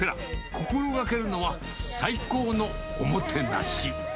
心がけるのは、最高のおもてなし。